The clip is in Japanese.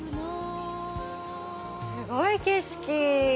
すごい景色！